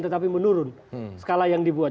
tetapi menurun skala yang dibuat